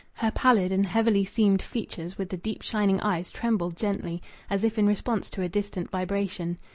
Her pallid and heavily seamed features with the deep shining eyes trembled gently, as if in response to a distant vibration.